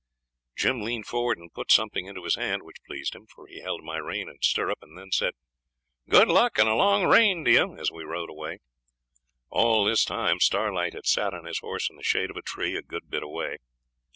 Jim leaned forward and put something into his hand, which pleased him, for he held my rein and stirrup, and then said 'Good luck and a long reign to you,' as we rode away. All this time Starlight had sat on his horse in the shade of a tree a good bit away.